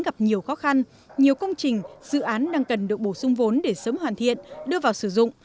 gặp nhiều khó khăn nhiều công trình dự án đang cần được bổ sung vốn để sớm hoàn thiện đưa vào sử dụng